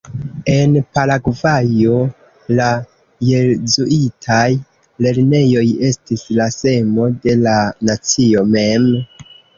En Paragvajo, la jezuitaj lernejoj estis la semo de la nacio mem.